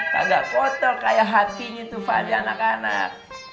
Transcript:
kagak kotor kayak hatinya tuh fadli anak anak